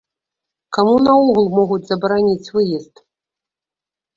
Каму наогул могуць забараніць выезд?